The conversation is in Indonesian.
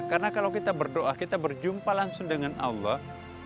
karena kalau kita berdoa kita berjumpa langsung dengan allah